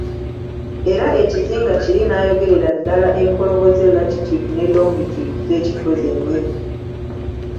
Era ekizinga kiri n'ayogerera ddala enkoloboze latitude ne longitude z'ekifo zennyini.